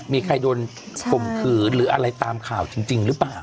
มีใครโดนข่มขืนหรืออะไรตามข่าวจริงหรือเปล่า